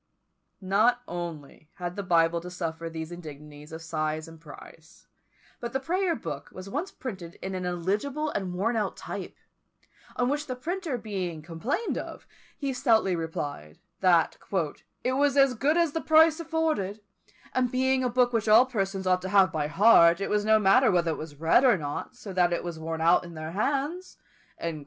Not only had the Bible to suffer these indignities of size and price, but the Prayer book was once printed in an illegible and worn out type; on which the printer being complained of, he stoutly replied, that "it was as good as the price afforded; and being a book which all persons ought to have by heart, it was no matter whether it was read or not, so that it was worn out in their hands."